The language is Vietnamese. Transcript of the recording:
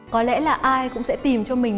có lẽ là ai cũng sẽ tìm cho mình